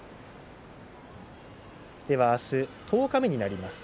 明日、十日目になります